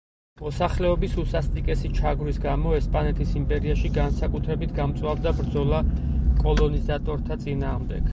მოსახლეობის უსასტიკესი ჩაგვრის გამო ესპანეთის იმპერიაში განსაკუთრებით გამწვავდა ბრძოლა კოლონიზატორთა წინააღმდეგ.